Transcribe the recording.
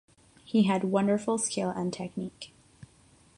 He had wonderful skill and technique.